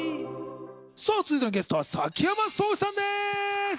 さぁ続いてのゲストは崎山蒼志さんです！